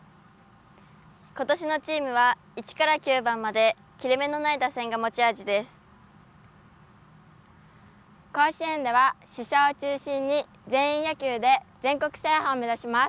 ことしのチームは１から９番まで切れ目のない打線が持ち味です。